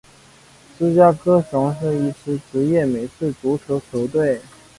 芝加哥熊是一支职业美式足球球队。